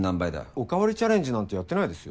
おかわりチャレンジなんてやってないですよ。